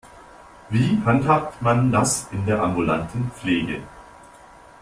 Wie handhabt man das in der ambulanten Pflege?